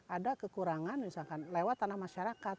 ada kekurangan misalkan lewat tanah masyarakat